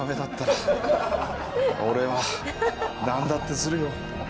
俺はなんだってするよ。